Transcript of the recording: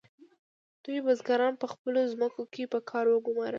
دوی بزګران په خپلو ځمکو کې په کار وګمارل.